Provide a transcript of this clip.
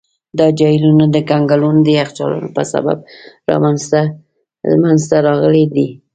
دا جهیلونه د کنګلونو یخچالونو په سبب منځته راغلي دي.